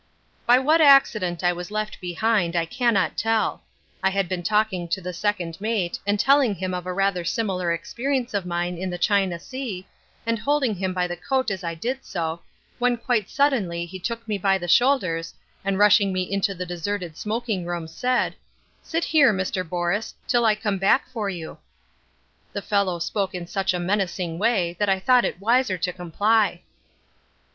By what accident I was left behind I cannot tell. I had been talking to the second mate and telling him of a rather similar experience of mine in the China Sea, and holding him by the coat as I did so, when quite suddenly he took me by the shoulders, and rushing me into the deserted smoking room said, "Sit there, Mr. Borus, till I come back for you." The fellow spoke in such a menacing way that I thought it wiser to comply.